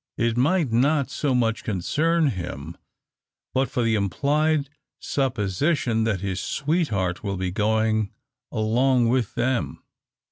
It might not so much concern him, but for the implied supposition that his sweetheart will be going along with them.